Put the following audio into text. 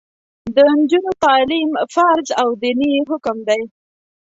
د نجونو تعلیم فرض او دیني حکم دی.